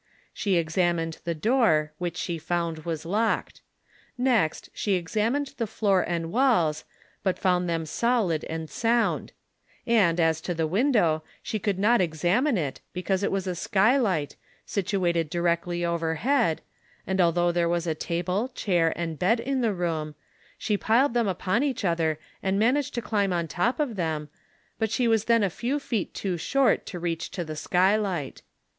She examined tlie door, which she found was locked ; next, she examined the floor and walls, but found them 74 THE SOCIAL WAR OF 1900; OR, solid and sound ; and as to the window, she could not exiimine it, because it was a skylight, situated duecUy overhead, and althougli there was a table, chair and bed in the room, slie piled them upon each other, and managed to climb on top of them ; but she was then a few feet too short to reach to the skylight.